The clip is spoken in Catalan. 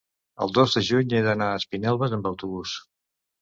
el dos de juny he d'anar a Espinelves amb autobús.